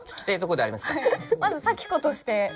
まず早季子として。